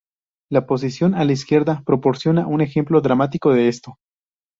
La posición a la izquierda proporciona un ejemplo dramático de esto.